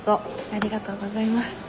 ありがとうございます。